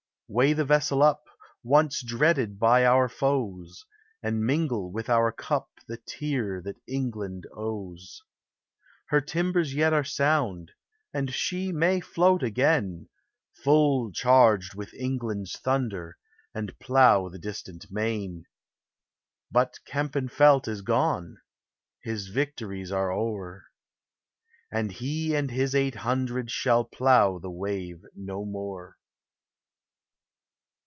Weigh the vessel up, Once dreaded by our foes! And mingle with our cup The tear that England owes. Her timbers yet are sound, And she may float again, Full charged with England's thunder, And plough the distant main. But Kempenfelt is gone; His victories are o'er; And he and his eight hundred Shall plough the wave no more.